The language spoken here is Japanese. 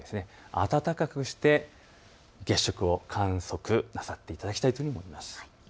暖かくして月食の観測なさっていただきたいというふうに思います。